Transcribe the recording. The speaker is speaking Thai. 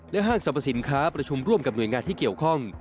ห้างสรรพสินค้าประชุมร่วมกับหน่วยงานที่เกี่ยวข้อง